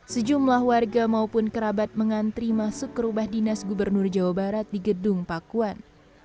sejumlah warga maupun kerabat mengantri masuk ke rumah dinas gubernur jawa barat di gedung pakuan